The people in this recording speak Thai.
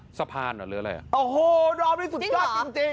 ห้ะสะพานหรืออะไรโอ้โหรอบนี้สุดยอดจริงจริง